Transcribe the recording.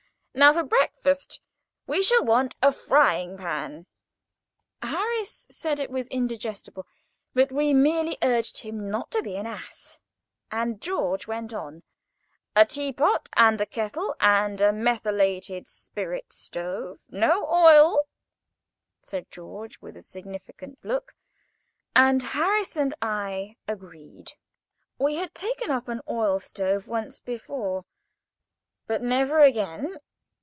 "Now for breakfast we shall want a frying pan"—(Harris said it was indigestible; but we merely urged him not to be an ass, and George went on)—"a tea pot and a kettle, and a methylated spirit stove." "No oil," said George, with a significant look; and Harris and I agreed. We had taken up an oil stove once, but "never again."